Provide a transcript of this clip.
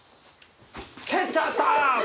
蹴っちゃった！